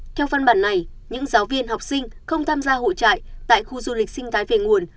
theo phân bản này những giáo viên học sinh không tham gia hội trại tại khu du lịch sinh thái về nguồn